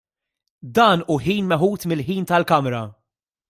Dan hu ħin meħud mill-ħin tal-Kamra.